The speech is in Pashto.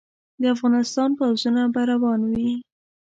د افغانستان پوځونه به روان وي.